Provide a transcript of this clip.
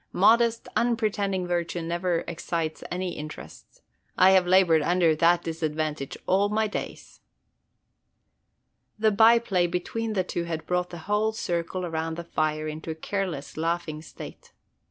"Modest, unpretending virtue never excites any interest. I have labored under that disadvantage all my days." The by play between the two had brought the whole circle around the fire into a careless, laughing state.